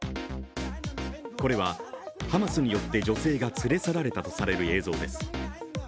これは、ハマスによって女性が連れ去られたとされる映像です。